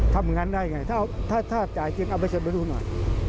ทำงานได้ไงถ้าจ่ายจริงเอาไปเสร็จมาดูหน่อย